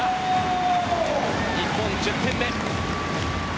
日本、１０点目。